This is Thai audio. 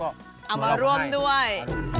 เอามาร่วมด้วย